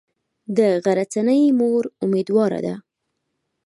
د غرڅنۍ مور امیدواره ده.